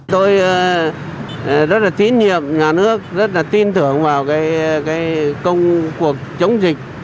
tôi rất là tín nhiệm nhà nước rất là tin tưởng vào công cuộc chống dịch